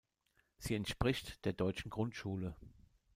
Sie entspricht der deutschen Grundschule.